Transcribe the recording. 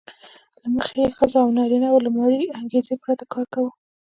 له مخې یې ښځو او نارینه وو له مالي انګېزې پرته کار کاوه